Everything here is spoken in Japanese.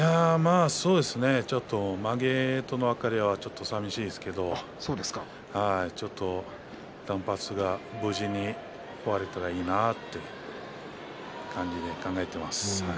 まげとの別れはちょっとさみしいですけどちょっと断髪が無事に終われたらいいなって感じで考えています。